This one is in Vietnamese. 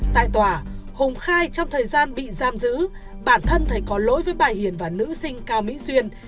tại tòa hùng khai trong thời gian bị giam giữ bản thân thấy có lỗi với bà hiền và nữ sinh cao mỹ duyên